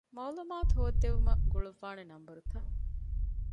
މަޢުލޫމާތު ހޯއްދެވުމަށް ގުޅުއްވާނެ ނަންބަރުތައް.